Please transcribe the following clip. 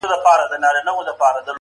• که د خولې مهر په حلوا مات کړي..